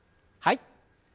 はい。